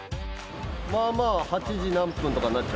まあまあ８時何分とかに。